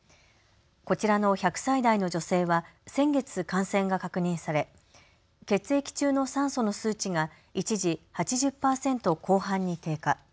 こちらの１００歳代の女性は先月、感染が確認され血液中の酸素の数値が一時、８０％後半に低下。